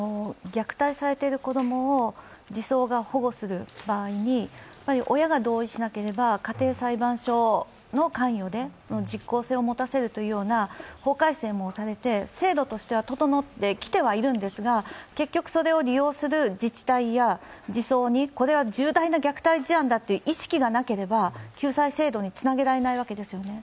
虐待されている子供を児相が保護する場合に親が同意しなければ家庭裁判所の関与で実効性を持たせるというような法改正もされて、制度としては整ってきてはいるんですが結局、それを利用する自治体や児相にこれは重大な虐待事案だという意識がなければ救済制度につなげられないわけですよね。